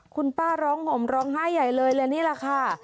คุณป้าร้องห่มร้องไห้ใหญ่เลยเลยนี่แหละค่ะ